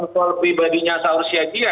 soal pribadinya seharusnya dia